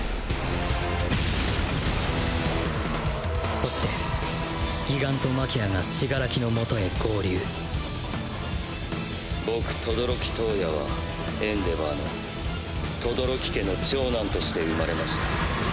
そしてギガントマキアが死柄木のもとへ合流僕轟燈矢はエンデヴァーの轟家の長男として生まれました。